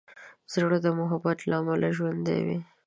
زړه د محبت له امله ژوندی وي.